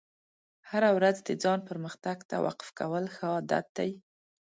هره ورځ د ځان پرمختګ ته وقف کول ښه عادت دی.